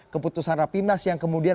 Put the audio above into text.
keputusan rapimnas yang kemudian